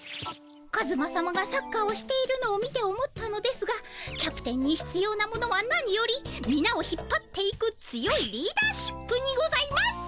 カズマさまがサッカーをしているのを見て思ったのですがキャプテンにひつようなものはなによりみなを引っぱっていく強いリーダーシップにございます。